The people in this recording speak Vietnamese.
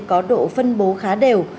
có độ phân bố khá đều